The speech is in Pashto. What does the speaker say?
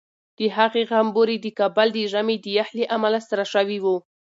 د هغې غومبوري د کابل د ژمي د یخ له امله سره شوي وو.